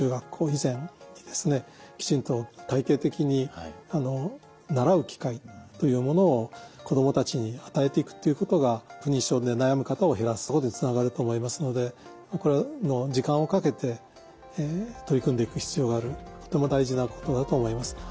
きちんと体系的に習う機会というものを子どもたちに与えていくということが不妊症で悩む方を減らすことにつながると思いますのでこれは時間をかけて取り組んでいく必要があるとても大事なことだと思います。